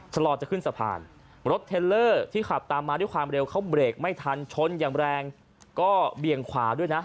ชะลอจะขึ้นสะพานรถเทลเลอร์ที่ขับตามมาด้วยความเร็วเขาเบรกไม่ทันชนอย่างแรงก็เบี่ยงขวาด้วยนะ